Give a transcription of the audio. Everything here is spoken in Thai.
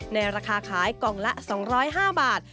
ในราคาขายกล่องละ๒๐๕บาท